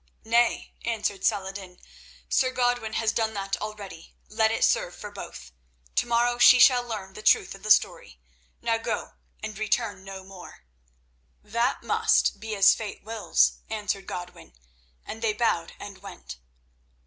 "Nay," answered Saladin; "Sir Godwin has done that already—let it serve for both. To morrow she shall learn the truth of the story. Now go, and return no more." "That must be as fate wills," answered Godwin, and they bowed and went.